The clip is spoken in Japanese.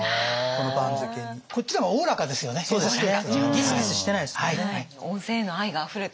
ギスギスしてないですもんね。